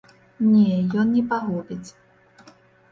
Не, ён не пагубіць.